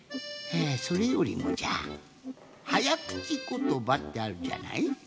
それよりもじゃはやくちことばってあるじゃない？